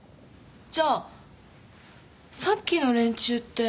じゃあさっきの連中って。